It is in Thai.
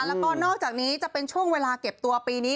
แล้วก็นอกจากนี้จะเป็นช่วงเวลาเก็บตัวปีนี้